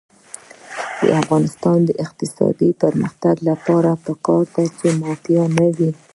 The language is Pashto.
د افغانستان د اقتصادي پرمختګ لپاره پکار ده چې مافیا نه وي.